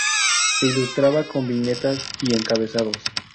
Se ilustraba con viñetas y encabezados.